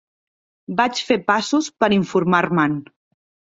Vaig fer passos per informar-me'n.